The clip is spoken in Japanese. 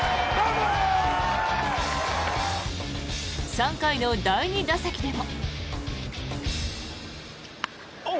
３回の第２打席でも。